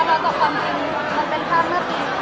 ในตัวความสุดทางคุณจะถูกพิสุธน